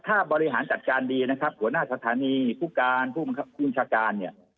ถ้าบริหารจัดการดีนะครับหัวหน้าสถานีผู้การผู้บัญชาการเนี่ย